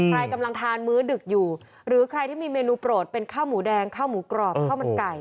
ใครกำลังทานมื้อดึกอยู่หรือใครที่มีเมนูโปรดเป็นข้าวหมูแดงข้าวหมูกรอบข้าวมันไก่